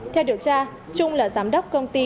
theo điều tra trung là giám đốc công ty